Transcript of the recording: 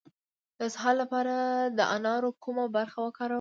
د اسهال لپاره د انارو کومه برخه وکاروم؟